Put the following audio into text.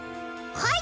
はい。